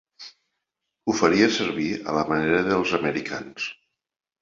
Ho faria servir a la manera dels americans.